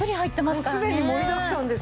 すでに盛りだくさんです。